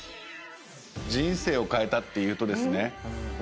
「人生を変えた」っていうとですね。